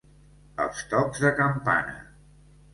Els tocs de campana.